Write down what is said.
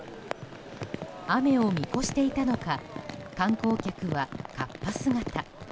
雨を見越していたのか観光客はかっぱ姿。